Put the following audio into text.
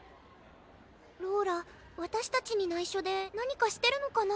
ローラわたしたちにないしょで何かしてるのかな？